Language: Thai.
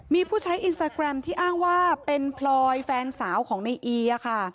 มีผู้ใช้อินสตาแกรมที่อ้างว่าเป็นพลอยแฟนสาวของในอีค่ะ